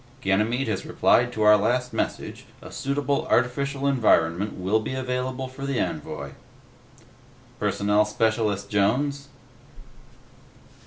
"Ganymede has replied to our last message; a suitable artificial environment will be available for the envoy." "Personnel Specialist Jones?"